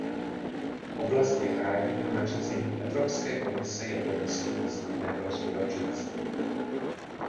Oblast je chráněna nařízením Evropské komise jako místo významné pro Společenství.